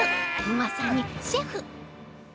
まさにシェフ！